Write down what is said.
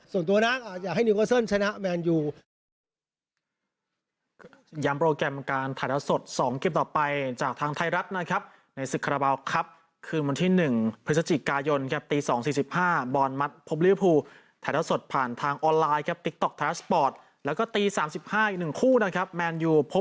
ส่วนตัวนะอยากให้นิวเกอร์เซิลชนะแมนยู